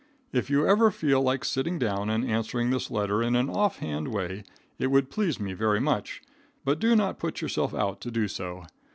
If you ever feel like sitting down and answering this letter in an off hand way it would please me very much, but do not put yourself out to do so.